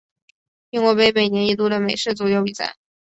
苹果杯每年一度的美式足球比赛。